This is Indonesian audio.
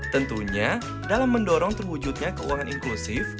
tentunya dalam mendorong terwujudnya keuangan inklusif